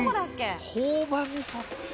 朴葉味噌って。